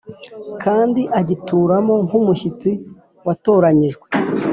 kandi agituramo nk’umushyitsi watoranyijwe